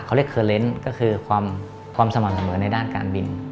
เขาเรียกเคอร์เลนส์ก็คือความสม่ำเสมอในด้านการบิน